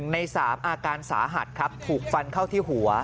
ใน๓อาการสาหัสครับถูกฟันเข้าที่หัว